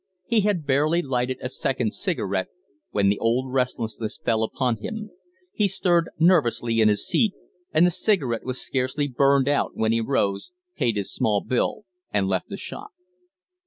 He had barely lighted a second cigarette when the old restlessness fell upon him; he stirred nervously in his seat, and the cigarette was scarcely burned out when he rose, paid his small bill, and left the shop.